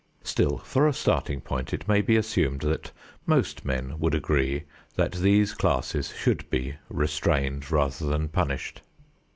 Still for a starting point, it may be assumed that most men would agree that these classes should be restrained rather than punished.